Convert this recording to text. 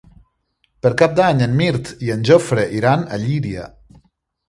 Per Cap d'Any en Mirt i en Jofre iran a Llíria.